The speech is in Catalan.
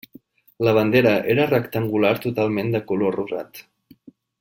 La bandera era rectangular totalment de color rosat.